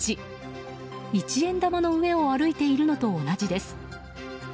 一円玉の上を歩いているのと同じです。